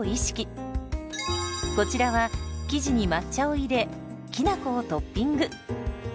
こちらは生地に抹茶を入れきなこをトッピング。